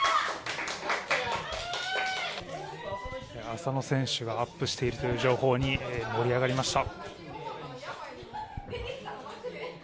浅野選手がアップしているという情報に盛り上がりました。